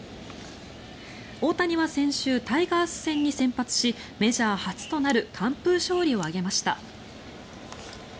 大谷は先週タイガース戦に先発しメジャー初となる完封勝利を挙げました。